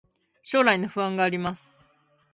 将来の不安があります